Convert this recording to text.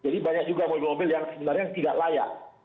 jadi banyak juga mobil mobil yang sebenarnya tidak layak